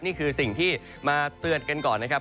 นี่คือสิ่งที่มาเตือนกันก่อนนะครับ